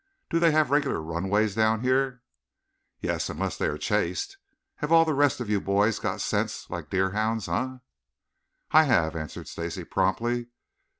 Do they have regular runways down here?" "Yes, unless they are chased. Have all the rest of you boys got scents like deerhounds, eh?" "I have," answered Stacy promptly.